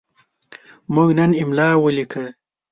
موږ نن املا ولیکه.